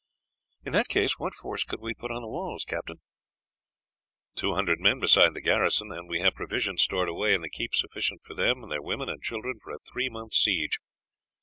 "In that case what force could we put on the walls, Captain?" "Two hundred men besides the garrison, and we have provisions stored away in the keep sufficient for them and their women and children for a three months' siege.